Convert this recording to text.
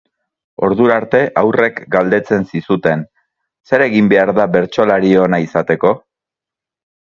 Ordura arte haurrek galdetzen zizuten, zer egin behar da bertsolari ona izateko?